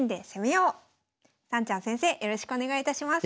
よろしくお願いします。